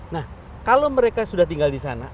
nah kalau mereka sudah tinggal di sana